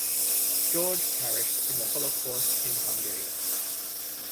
George perished in the Holocaust in Hungary.